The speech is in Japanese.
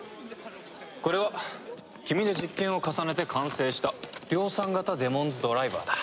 これは君で実験を重ねて完成した量産型デモンズドライバーだ。